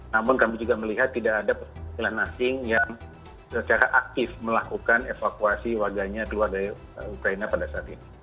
namun kami juga melihat tidak ada perwakilan asing yang secara aktif melakukan evakuasi warganya keluar dari ukraina pada saat ini